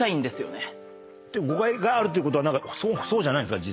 誤解があるということはそうじゃないんですか？